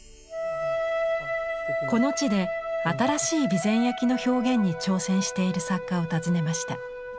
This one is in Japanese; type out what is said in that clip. この地で新しい備前焼の表現に挑戦している作家を訪ねました。